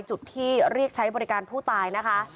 จุดที่เรียกใช้บริการผู้ตายนะคะ